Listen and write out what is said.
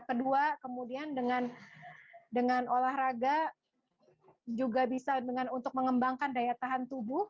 kedua kemudian dengan olahraga juga bisa untuk mengembangkan daya tahan tubuh